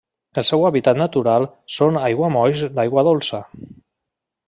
El seu hàbitat natural són aiguamolls d'aigua dolça.